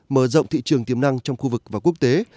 mở rộng thị trường tiềm năng trong khu vực và quốc tế